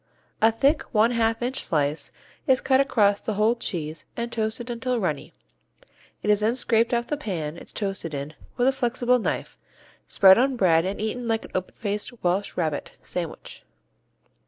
A thick, one half inch slice is cut across the whole cheese and toasted until runny. It is then scraped off the pan it's toasted in with a flexible knife, spread on bread and eaten like an open faced Welsh Rabbit sandwich.